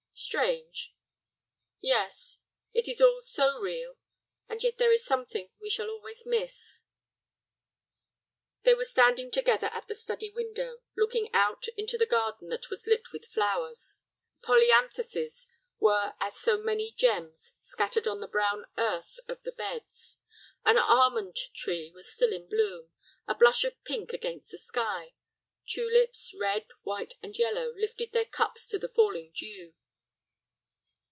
"Strange?" "Yes, it is all so real, and yet there is something we shall always miss." They were standing together at the study window, looking out into the garden that was lit with flowers. Polyanthuses were as so many gems scattered on the brown earth of the beds. An almond tree was still in bloom, a blush of pink against the sky. Tulips, red, white, and yellow, lifted their cups to the falling dew.